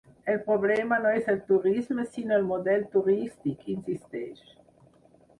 El problema no és el turisme sinó el model turístic, insisteix.